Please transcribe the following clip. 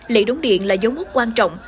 lễ đống điện là dấu mốc quan trọng